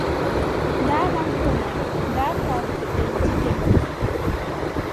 Ndaa lampo mon, daa kartedendite mon.